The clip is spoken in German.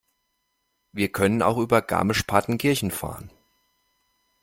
Wir können auch über Garmisch-Partenkirchen fahren.